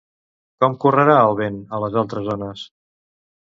Com correrà el vent a les altres zones?